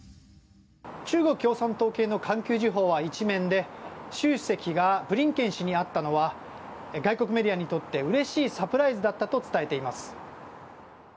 中国共産党系の環球時報は１面で習主席がブリンケン氏に会ったのは外国メディアにとってうれしいサプライズだったと伝えています。